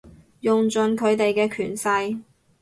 用盡佢哋嘅權勢